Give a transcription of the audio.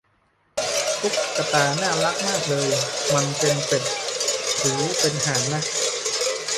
ตุ๊กตาน่ารักมากเลย มันเป็นเป็ดหรือเป็นห่านนะ